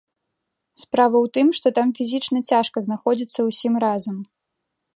Справа ў тым, што там фізічна цяжка знаходзіцца ўсім разам.